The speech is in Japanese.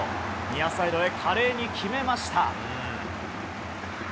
サイドへ華麗に決めました。